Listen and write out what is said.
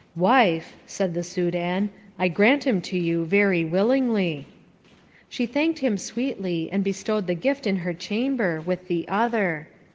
"Wife," said the Soudan, "I grant him to you very willingly." She thanked him sweetly, and bestowed the gift in her chamber, with the other.